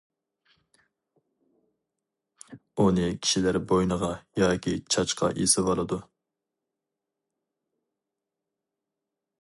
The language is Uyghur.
ئۇنى كىشىلەر بوينىغا ياكى چاچقا ئېسىۋالىدۇ.